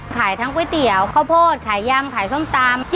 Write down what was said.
ขายทั้งก๋วยเตี๋ยวข้าวโพดขายยำขายส้มตำ